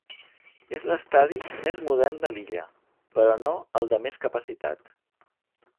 És l'estadi més modern de l'illa, però no el de més capacitat.